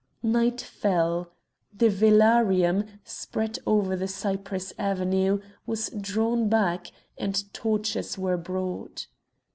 Night fell. The velarium, spread over the cypress avenue, was drawn back, and torches were brought.